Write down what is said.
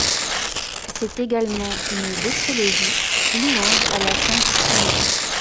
C'est également une doxologie, louange à la sainte Trinité.